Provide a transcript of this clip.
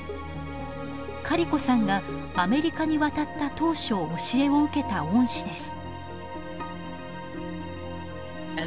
カリコさんがアメリカに渡った当初教えを受けた恩師です。